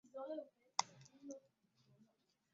angazo haya ya jioni makutakia njioni njema